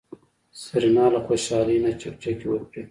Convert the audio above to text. سېرېنا له خوشحالۍ نه چکچکې وکړې.